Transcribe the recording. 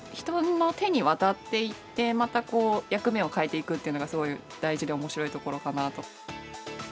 人の手に渡っていって、また役目を変えていくっていうのが、すごい大事でおもしろいところかなと。